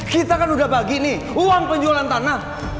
kita kan udah bagi nih uang penjualan tanah